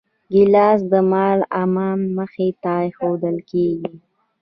ګیلاس د ملا امام مخې ته ایښوول کېږي.